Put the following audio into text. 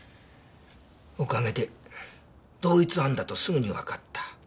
おかげで同一犯だとすぐにわかった。